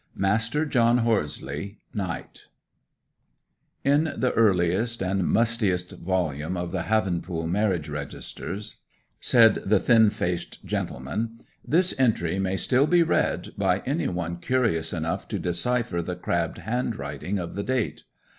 MASTER JOHN HORSELEIGH, KNIGHT In the earliest and mustiest volume of the Havenpool marriage registers (said the thin faced gentleman) this entry may still be read by any one curious enough to decipher the crabbed handwriting of the date.